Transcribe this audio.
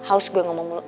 aduh kenapa ya